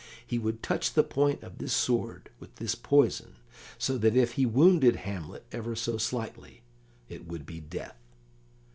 He would touch the point of this sword with this poison, so that if he wounded Hamlet ever so slightly it would be death.